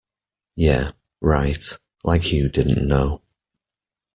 Yeah, right, like you didn't know!